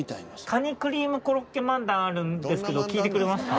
カニクリームコロッケ漫談あるんですけど聞いてくれますか？